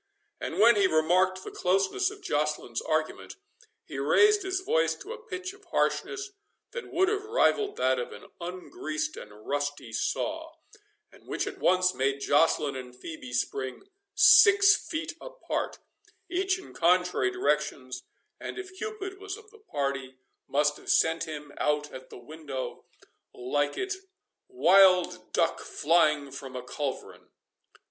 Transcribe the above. And when he remarked the closeness of Joceline's argument, he raised his voice to a pitch of harshness that would have rivalled that of an ungreased and rusty saw, and which at once made Joceline and Phœbe spring six feet apart, each in contrary directions, and if Cupid was of the party, must have sent him out at the window like it wild duck flying from a culverin.